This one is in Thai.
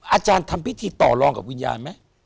อาจารย์ทำพิธีต่อรองกับวิญญาณไหม